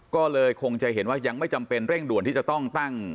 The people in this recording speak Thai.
ก็เลยคงจะเห็นว่ายังไม่จำเป็นเร่งด่วนที่จะต้องตั้ง